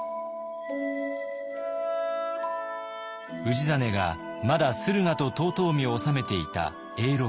氏真がまだ駿河と遠江を治めていた永禄９年。